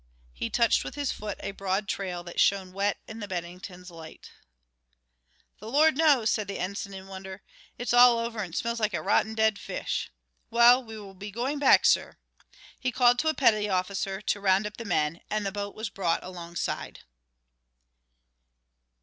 He touched with his foot a broad trail that shone wet in the Bennington's lights. "The Lord knows," said the ensign in wonder. "It's all over and it smells like a rotten dead fish. Well, we will be going back, sir." He called to a petty officer to round up the men, and the boat was brought alongside.